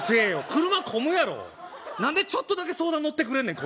車混むやろ何でちょっとだけ相談のってくれんねん